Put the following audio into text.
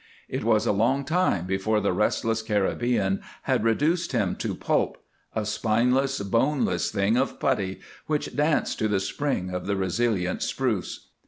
It was a long time before the restless Caribbean had reduced him to pulp, a spineless, boneless thing of putty which danced to the spring of the resilient spruce.